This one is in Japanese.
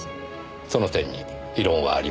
その点に異論はありません。